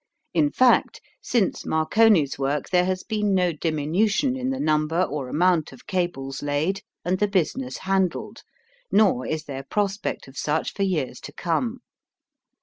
In fact, since Marconi's work there has been no diminution in the number or amount of cables laid and the business handled, nor is there prospect of such for years to come.